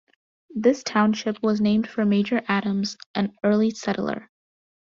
This township was named for Major Adams, an early settler.